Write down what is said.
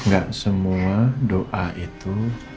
gak semua doa itu